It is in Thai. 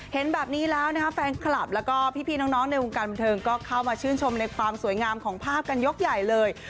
เห็นแบบนี้แล้วนะคะแฟนคลับแล้วก็พี่น้องในวงการบันเทิงก็เข้ามาชื่นชมในความสวยงามของภาพกันยกใหญ่เลย